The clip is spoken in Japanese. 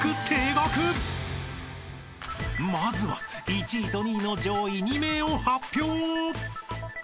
［まずは１位と２位の上位２名を発表］